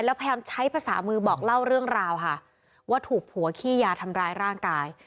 แล้วพยายามใช้ภาษามือบอกเล่าเรื่องราวค่ะว่าถูกผัวขี้ยาทำร้ายร่างกาย